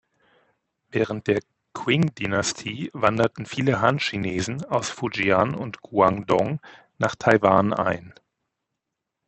Während der Qing-Dynastie wanderten viele Han-Chinesen aus Fujian und Guangdong nach Taiwan ein.